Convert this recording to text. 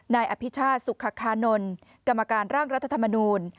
นายอภิชาติสุขคานนท์กรรมการร่างรัฐธรรมนูล